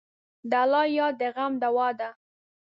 د الله یاد د غم دوا ده.